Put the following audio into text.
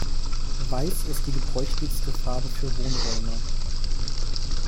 Weiß ist die gebräuchlichste Farbe für Wohnräume.